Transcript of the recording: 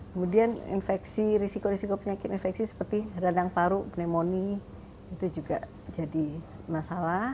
kemudian infeksi risiko risiko penyakit infeksi seperti radang paru pneumonia itu juga jadi masalah